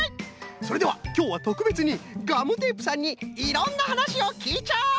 それではきょうはとくべつにガムテープさんにいろんなはなしをきいちゃおう！